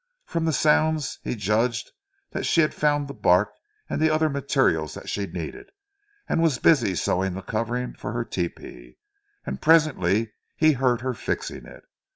From the sounds he judged that she had found the bark and the other materials that she needed, and was busy sewing the covering for her tepee, and presently he heard her fixing it.